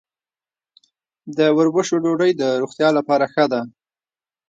د وربشو ډوډۍ د روغتیا لپاره ښه ده.